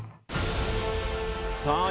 さあ